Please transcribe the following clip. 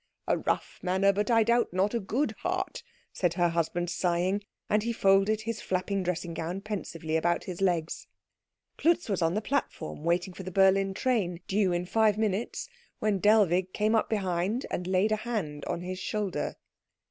"A rough manner, but I doubt not a good heart," said her husband, sighing; and he folded his flapping dressing gown pensively about his legs. Klutz was on the platform waiting for the Berlin train, due in five minutes, when Dellwig came up behind and laid a hand on his shoulder.